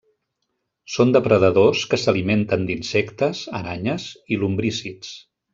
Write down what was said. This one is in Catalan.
Són depredadors que s'alimenten d'insectes, aranyes i lumbrícids.